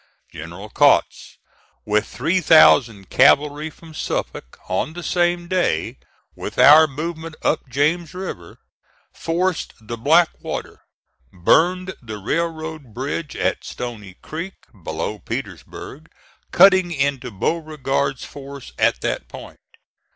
"General Kautz, with three thousand cavalry from Suffolk, on the same day with our movement up James River, forced the Black Water, burned the railroad bridge at Stony Creek, below Petersburg, cutting into Beauregard's force at that point.